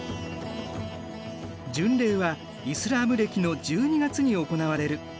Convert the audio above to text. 巡礼はイスラーム暦の１２月に行われる。